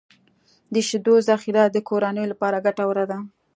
د شیدو ذخیره د کورنیو لپاره ګټوره ده.